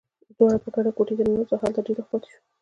دواړه په ګډه کوټې ته ننوزو، او هلته ډېر وخت پاتې شو.